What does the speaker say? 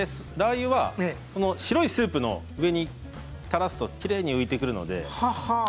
白いスープの上にたらすときれいに浮いてくるので。